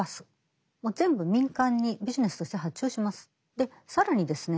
で更にですね